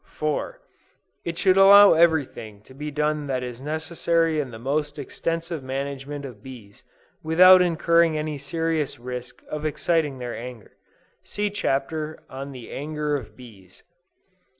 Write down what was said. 4. It should allow every thing to be done that is necessary in the most extensive management of bees, without incurring any serious risk of exciting their anger. (See Chapter on the Anger of Bees.)